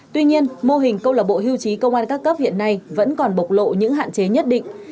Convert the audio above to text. tuy nhiên mô hình câu lạc bộ hưu trí công an các cấp hiện nay vẫn còn bộc lộ những hạn chế nhất định